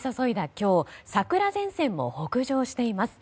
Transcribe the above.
今日桜前線も北上しています。